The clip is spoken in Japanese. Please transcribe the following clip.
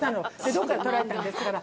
「どっからとられたんですか」